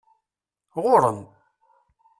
Ɣur-em!